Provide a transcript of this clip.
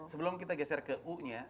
sebelum kita geser ke u nya